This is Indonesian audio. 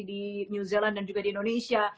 di new zealand dan juga di indonesia